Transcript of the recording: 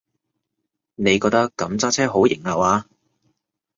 你覺得噉揸車好型下話？